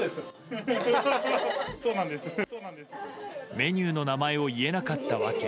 メニューの名前を言えなかった訳。